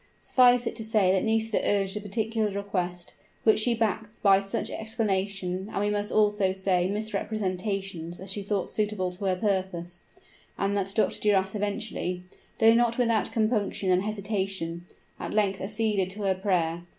Suffice it to say that Nisida urged a particular request, which she backed by such explanation and we must also say misrepresentations as she thought suitable to her purpose; and that Dr. Duras eventually, though not without compunction and hesitation, at length acceded to her prayer.